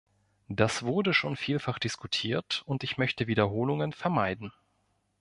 Das wurde schon vielfach diskutiert, und ich möchte Wiederholungen vermeiden.